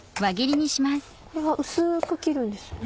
これは薄く切るんですね。